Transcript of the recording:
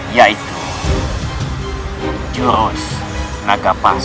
yaitu jurus naga pas